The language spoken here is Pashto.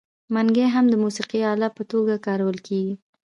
منګی هم د موسیقۍ الې په توګه کارول کیږي.